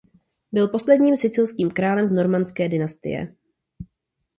Byl posledním sicilským králem z normanské dynastie.